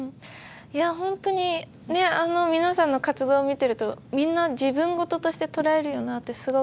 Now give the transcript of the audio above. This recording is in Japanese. いや本当にねっあの皆さんの活動を見てるとみんな自分ごととして捉えるよなあってすごく感じました。